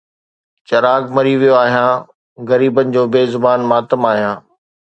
چراغ مري ويو آهيان، غريبن جو بي زبان ماتم آهيان